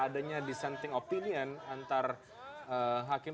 adanya dissenting opinion antar hakim